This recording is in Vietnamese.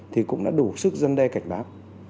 thì cũng đã đủ sức giăn đe cảnh bán